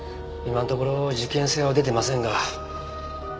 今のところ事件性は出てませんが。